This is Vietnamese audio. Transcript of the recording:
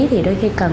thì đôi khi cần